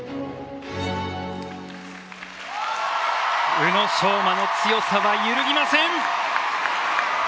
宇野昌磨の強さは揺るぎません！